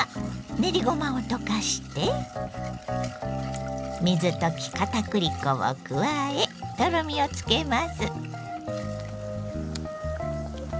練りごまを溶かして水溶きかたくり粉を加えとろみをつけます。